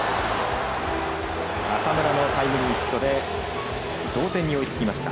浅村のタイムリーヒットで同点に追いつきました。